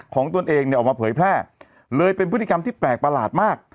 ตนเองเนี่ยออกมาเผยแพร่เลยเป็นพฤติกรรมที่แปลกประหลาดมาก